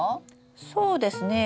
そうですねえ。